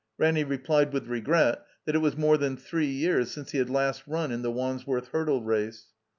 Ranny replied with regret that it was more than three years since he had last run in the Wandsworth Hurdle Race.